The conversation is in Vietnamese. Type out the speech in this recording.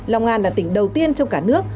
long an là tỉnh đầu tiên trong cả nước